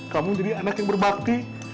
kamu jadi anak yang berbakti